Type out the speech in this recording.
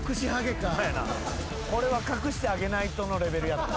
これは隠してあげないとのレベル。